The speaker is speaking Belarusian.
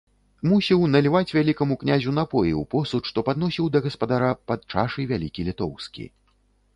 Мусіў наліваць вялікаму князю напоі ў посуд, што падносіў да гаспадара падчашы вялікі літоўскі.